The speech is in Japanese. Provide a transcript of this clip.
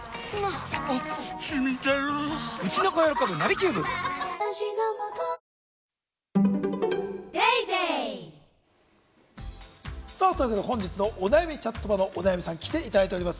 あっしみてる！というわけで本日のお悩みチャットバのお悩みさんに来ていただいております。